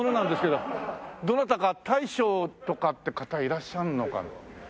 どなたか大将とかって方いらっしゃるのか。